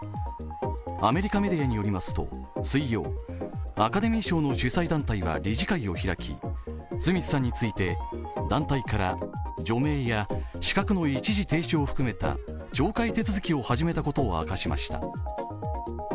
アメリカメディアによりますと水曜、アカデミー賞の主催団体は理事会を開きスミスさんについて、団体から除名や資格の一時停止を含めた懲戒手続きを始めたことを明かしました。